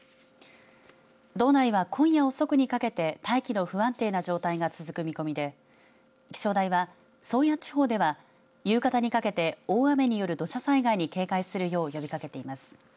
道内は今夜遅くにかけて大気の不安定な状態が続く見込みで気象台は宗谷地方では夕方にかけて大雨による土砂災害に警戒するよう呼びかけています。